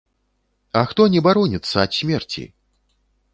А хто не бароніцца ад смерці?!